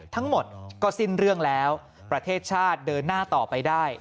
ทั้งหมดก็สิ้นเรื่องแล้วประเทศชาติเดินหน้าต่อไปได้